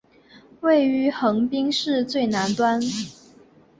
位于横滨市最南端。